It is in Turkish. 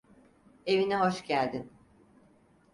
Evine hoş geldin.